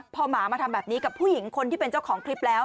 พอหมามาทำแบบนี้กับผู้หญิงคนที่เป็นเจ้าของคลิปแล้ว